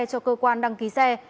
cho cơ quan đăng ký xe